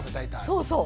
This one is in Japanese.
そうそう。